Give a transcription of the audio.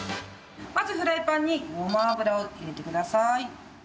まずフライパンにごま油を入れてください。